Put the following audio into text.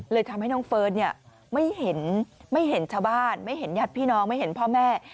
เลยทำให้น้องเฟิร์สไม่เห็นชาวบ้านไม่เห็นยัดพี่น้องไม่เห็นพ่อแม่